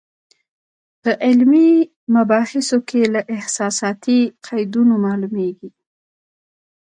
په علمي مباحثو کې له احساساتي قیدونو معلومېږي.